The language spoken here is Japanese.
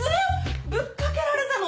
ぶっかけられたの？